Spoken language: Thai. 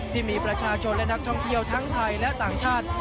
ที่มีประชาชนและนักท่องเที่ยวทั้งไทยและต่างชาติ